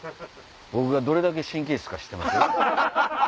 僕がどれだけ神経質か知ってます？